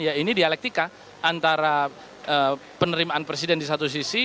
ya ini dialektika antara penerimaan presiden di satu sisi